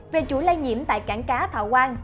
về chủ lây nhiễm tại cảng cá thảo quang